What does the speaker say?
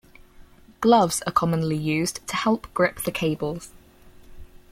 Gloves are commonly used to help grip the cables.